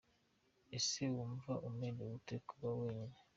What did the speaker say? Ese wumva umerewe ute kuba wenyine ?.